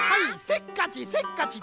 せっかちせっかち